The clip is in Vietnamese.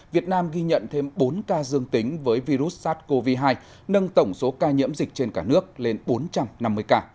việt nam ghi nhận thêm bốn ca dương tính với virus sars cov hai nâng tổng số ca nhiễm dịch trên cả nước lên bốn trăm năm mươi ca